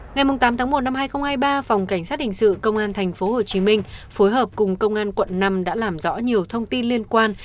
ngày tám tháng một năm hai nghìn hai mươi ba phòng cảnh sát hình sự công an tp hcm phối hợp cùng công an quận năm đã làm rõ nhiều thông tin liên quan